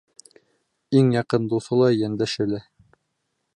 Иң яҡын дуҫы ла, йәндәше лә.